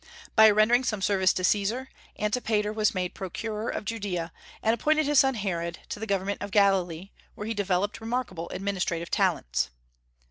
By rendering some service to Caesar, Antipater was made procurator of Judaea, and appointed his son Herod to the government of Galilee, where he developed remarkable administrative talents.